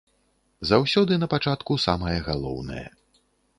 Заўсёды напачатку самае галоўнае.